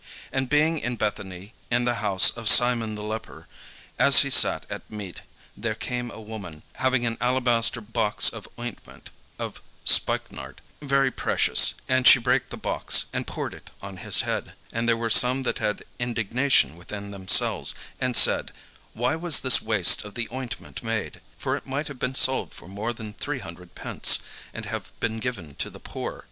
And being in Bethany in the house of Simon the leper, as he sat at meat, there came a woman having an alabaster box of ointment of spikenard, very precious; and she brake the box, and poured it on his head. And there were some that had indignation within themselves, and said, "Why was this waste of the ointment made? For it might have been sold for more than three hundred pence, and have been given to the poor."